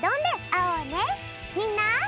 みんな！